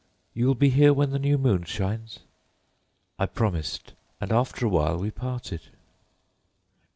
You will be here when the new moon shines?'" "I promised, and after a while we parted.